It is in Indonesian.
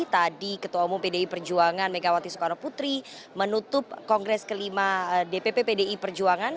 tadi ketua umum pdi perjuangan megawati soekarno putri menutup kongres kelima dpp pdi perjuangan